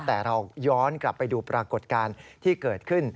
แต่เราย้อนกลับไปดูปรากฏการณ์ที่เกิดขึ้น